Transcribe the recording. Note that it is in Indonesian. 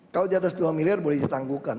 kalau di atas dua miliar boleh ditangguhkan